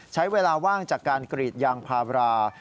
ใช้เวลาว่างจากการกรีดยางพารา